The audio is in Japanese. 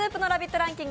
ランキング